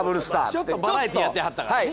ちょっとバラエティーやってはったからね。